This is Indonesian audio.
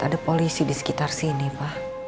ada polisi di sekitar sini pak